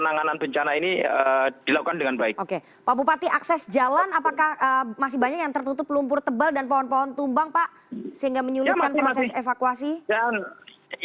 hingga menyulitkan proses evakuasi